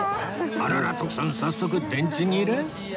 あらら徳さん早速電池切れ？